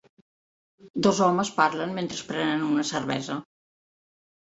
Dos homes parlen mentre prenen una cervesa.